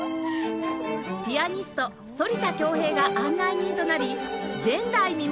ピアニスト反田恭平が案内人となり前代未聞！